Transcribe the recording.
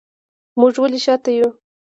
موږ ولې شاته یو